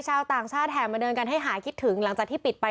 ชาวต่างชาติแห่มาเดินกันให้หายคิดถึงหลังจากที่ปิดไป